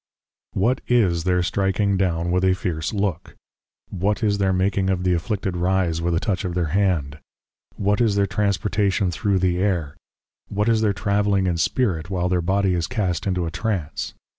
What is their stricking down with a fierce Look? What is their making of the Afflicted Rise, with a touch of their Hand? What is their Transportation thro' the Air? What is their Travelling in Spirit, while their Body is cast into a Trance?